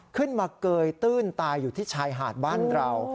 มาเกยตื้นตายอยู่ที่ชายหาดบ้านเรา